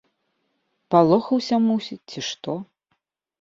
Палохаўся, мусіць, ці што.